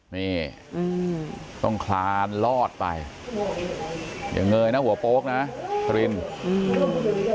นี่อืมต้องคลานลอดไปอย่างเงยนะหัวโป๊กนะครินอืม